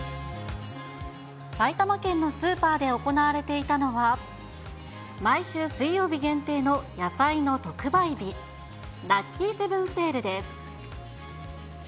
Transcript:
埼玉県のスーパーで行われていたのは、毎週水曜日限定の野菜の特売日、ラッキーセブンセールです。